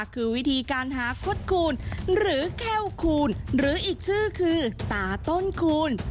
คือวิธีการหาคดคูณหรือแค่วคูณหรืออีกชื่อคือตาต้นคูณ